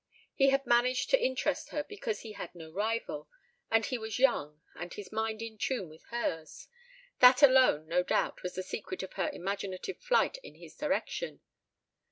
He had managed to interest her because he had no rival, and he was young and his mind in tune with hers. That alone, no doubt, was the secret of her imaginative flight in his direction.